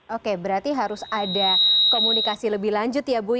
oke berarti harus ada komunikasi lebih lanjut ya bu